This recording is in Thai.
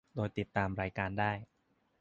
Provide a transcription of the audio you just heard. โดยติดตามรายการได้